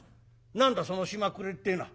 「何だその暇くれっていうのは」。